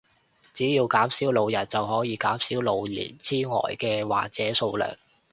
只要減少老人就可以減少老年癡呆嘅患者數量